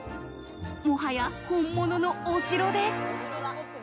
もはや本物のお城です。